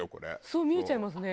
そう見えちゃいますね。